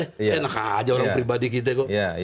eh enak aja orang pribadi kita kok